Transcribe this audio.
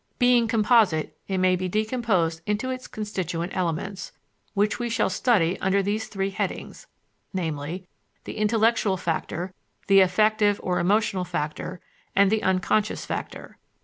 Being composite, it may be decomposed into its constituent elements, which we shall study under these three headings, viz., the intellectual factor, the affective or emotional factor, and the unconscious factor.